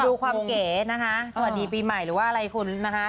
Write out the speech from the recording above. ดูความเก๋นะคะสวัสดีปีใหม่หรือว่าอะไรคุณนะคะ